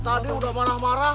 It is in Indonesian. tadi udah marah marah